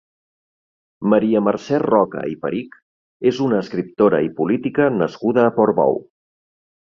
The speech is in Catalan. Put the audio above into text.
Maria Mercè Roca i Perich és una escriptora i política nascuda a Portbou.